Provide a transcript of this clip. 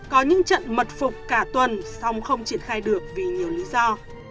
có những trận mật phục cả tuần song không triển khai được vì nhiều lý do